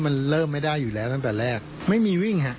มันเริ่มไม่ได้อยู่แล้วตั้งแต่แรกไม่มีวิ่งฮะ